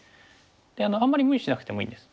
であんまり無理しなくてもいいです。